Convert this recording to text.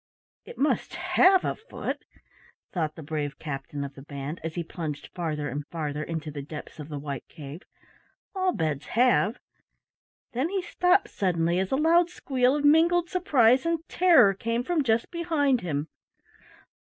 "It must have a foot," thought the brave captain of the band, as he plunged farther and farther into the depths of the white cave. "All beds have." Then he stopped suddenly as a loud squeal of mingled surprise and terror came from just behind him.